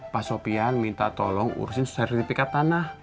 pak sopian minta tolong urusin sertifikat tanah